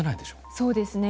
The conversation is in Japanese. そうですね。